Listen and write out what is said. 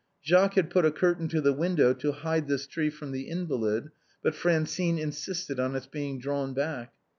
Jacques had put a curtain to the window to hide this tree from the invalid, but Fran cine insisted on its being drawn back.